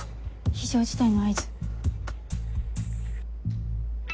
非常事態の合図。